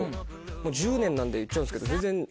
もう１０年なんで言っちゃうんですけど。